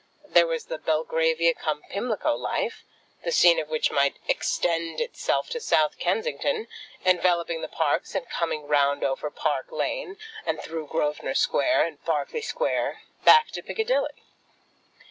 There was the Belgravia cum Pimlico life, the scene of which might extend itself to South Kensington, enveloping the parks and coming round over Park Lane, and through Grosvenor Square and Berkeley Square back to Piccadilly.